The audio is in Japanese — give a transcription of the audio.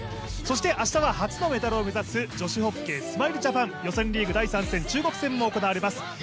そして明日は初のメダルを目指す女子ホッケー、スマイルジャパン、予選リーグ第３戦、中国戦も行われます。